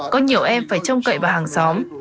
có nhiều em phải trông cậy vào hàng xóm